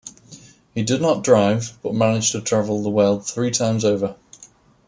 He did not drive but managed to travel the world three times over.